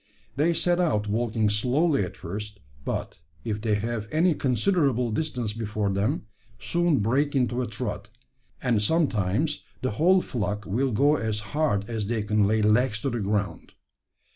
They set out walking slowly at first; but, if they have any considerable distance before them, soon break into a trot; and sometimes the whole flock will go as hard as they can lay legs to the ground.